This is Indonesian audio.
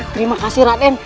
terima kasih raden